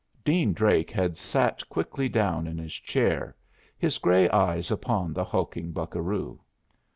Dean Drake had sat quickly down in his chair, his gray eye upon the hulking buccaroo.